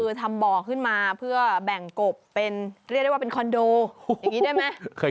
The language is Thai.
คือทำบ่อขึ้นมาเพื่อแบ่งกบเป็นเรียกได้ว่าเป็นคอนโดอย่างนี้ได้ไหม